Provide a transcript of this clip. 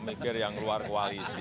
mungkin yang luar kualisi